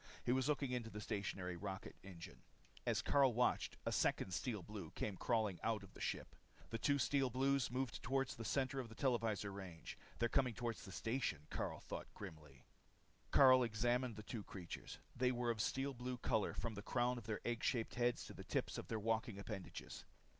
He was looking into the stationary rocket engine. As Karyl watched, a second Steel Blue came crawling out of the ship. The two Steel Blues moved toward the center of the televisor range. They're coming toward the station, Karyl thought grimly. Karyl examined the two creatures. They were of the steel blue color from the crown of their egg shaped heads to the tips of their walking appendages.